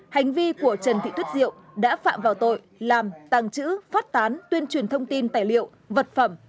hành vi của trần thị tuyết diệu đã phạm vào tội làm tàng trữ phát tán tuyên truyền thông tin tài liệu vật phẩm